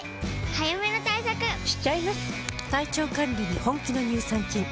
早めの対策しちゃいます。